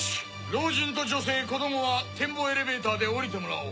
老人と女性子供は展望エレベーターで降りてもらおう。